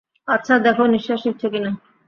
আচ্ছা, দেখো নিশ্বাস নিচ্ছে কিনা।